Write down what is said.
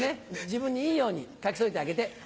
自分にいいように描き添えてあげて。